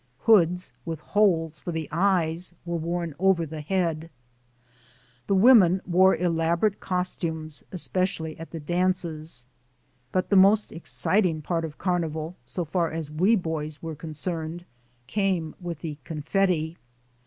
Hoods with holes for the eyes were worn over the head. The women wore elaborate cos tumes, especially at the dances. But the most exciting part of Carnival, so far as we boys were concerned, came with the confetti.